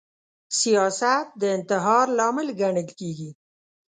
سیاست د انتحار لامل ګڼل کیږي